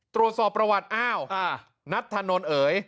ตรวจสอบประวัติอ้าวนัทธานนท์เอ๋ย